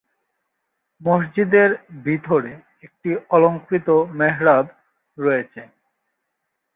মসজিদের ভিতরে একটি অলংকৃত মেহরাব রয়েছে।